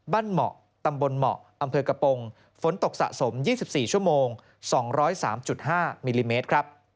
บ้านเหมาะตำบลเหมาะอำเภอกัปพงศ์ฝนตกสะสม๒๔ชั่วโมง๒๐๓๕มิลลิเมตร